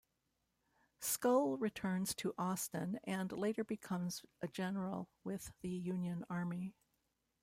Scull returns to Austin and later becomes a general with the Union army.